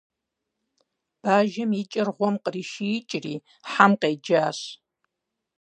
- Бажэм и кӏэр гъуэм къришиикӏри, хьэм къеджащ.